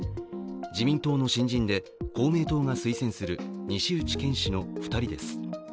自民党の新人で公明党が推薦する西内健氏の２人です。